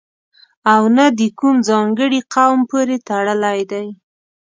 او نه د کوم ځانګړي قوم پورې تړلی دی.